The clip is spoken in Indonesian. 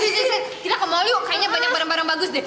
kita ke mall yuk kayaknya banyak barang barang bagus deh